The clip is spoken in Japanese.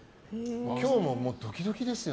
今日もドキドキですよ。